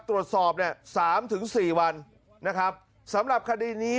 ตรวจสอบเนี่ย๓๔วันนะครับสำหรับคณีนี้